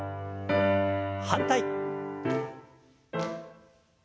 反対。